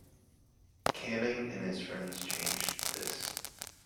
Canning and his friends changed this.